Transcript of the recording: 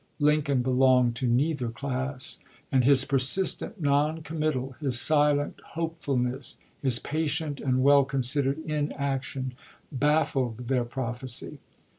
Lin coln belonged to neither class ; and his persistent non committal, his silent hopefulness, his patient and well considered inaction, baffled their proph ecy.